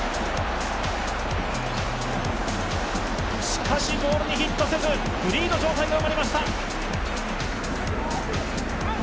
しかしボールにフィットせず、フリーの状態が生まれました。